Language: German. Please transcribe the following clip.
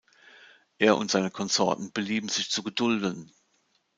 Er und seine Konsorten belieben sich zu gedulden".